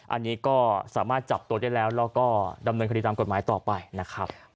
อันนี้ก็สามารถจับตัวได้แล้วแล้วก็ดำเนินคดีตามกฎหมายต่อไปนะครับ